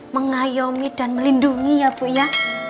mengayomi dan melindungi ya bu ya